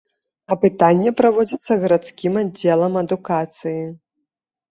Апытанне праводзіцца гарадскім аддзелам адукацыі.